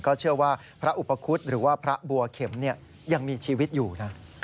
เชื่อว่าพระอุปคุฎหรือว่าพระบัวเข็มยังมีชีวิตอยู่นะ